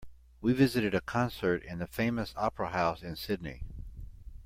We visited a concert in the famous opera house in Sydney.